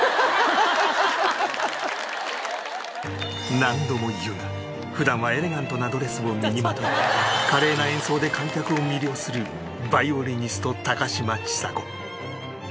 何度も言うが普段はエレガントなドレスを身にまとい華麗な演奏で観客を魅了するヴァイオリニスト高嶋ちさ子